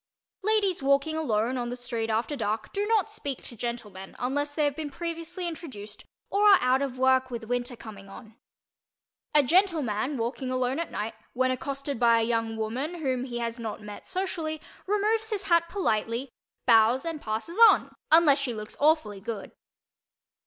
Ladies walking alone on the street after dark do not speak to gentlemen unless they have been previously introduced or are out of work with winter coming on. A gentleman walking alone at night, when accosted by a young woman whom he has not met socially, removes his hat politely, bows and passes on, unless she looks awfully good.